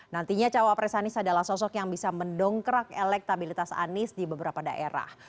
nantinya cawa pres anis adalah sosok yang bisa mendongkrak elektabilitas anis di beberapa daerah